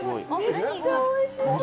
めっちゃおいしそう。